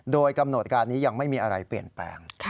โดยกำหนดการนี้ยังไม่มีอะไรเปลี่ยนแปลง